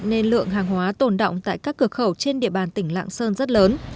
nên lượng hàng hóa tồn động tại các cửa khẩu trên địa bàn tỉnh lạng sơn rất lớn